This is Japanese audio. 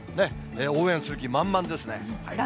応援する気満々ですね。